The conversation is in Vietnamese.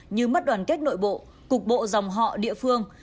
như mất đoàn kết nội bộ cục bộ dòng họ địa phương